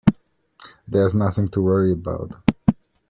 There's nothing to worry about.